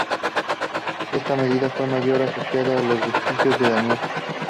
Esta medida fue la mayor asociada a los vestigios de Daniel.